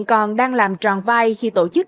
còn đang làm tròn vai khi tổ chức